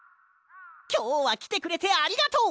きょうはきてくれてありがとう！